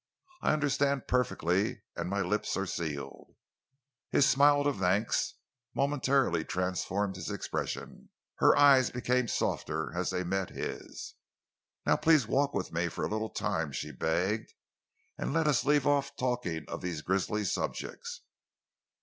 I understand perfectly, and my lips are sealed." His little smile of thanks momentarily transformed his expression. Her eyes became softer as they met his. "Now please walk with me for a little time," she begged, "and let us leave off talking of these grizzly subjects.